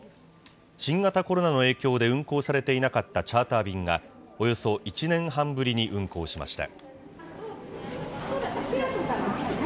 新型コロナの影響で運航されていなかったチャーター便が、およそ１年半ぶりに運航しました。